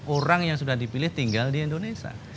orang yang sudah dipilih tinggal di indonesia